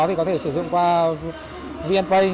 thì có thể sử dụng qua vnpay